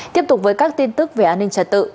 tiếp tục với các tin tức về an ninh trật tự